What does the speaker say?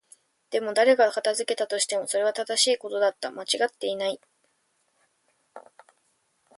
でも、誰が片付けたとしても、それは正しいことだった。間違っていない。